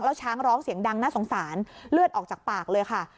แล้วช้างร้องเสียงดังน่าสงสารเลือดออกจากปากเลยค่ะ